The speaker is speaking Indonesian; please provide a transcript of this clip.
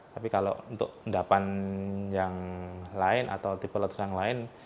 tapi kalau untuk endapan yang lain atau tipe letus yang lain